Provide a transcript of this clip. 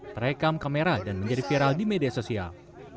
terekam kamera dan menjadi viral di media sosial